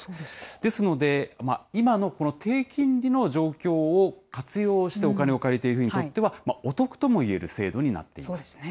ですので、今のこの低金利の状況を活用してお金を借りている人にとっては、お得ともいえる制度になっています。